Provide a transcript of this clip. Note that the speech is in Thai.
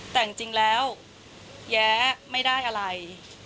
แต่จริงแล้วแย้ไม่ได้อะไร